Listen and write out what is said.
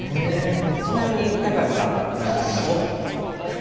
ちなみに高瀬さんは何かあります？